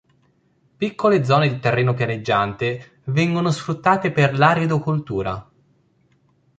Piccole zone di terreno pianeggiante vengono sfruttate per l'aridocoltura.